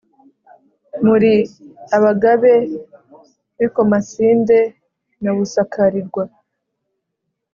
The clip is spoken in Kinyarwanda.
muri abagabe b’i bukomasinde na busakarirwa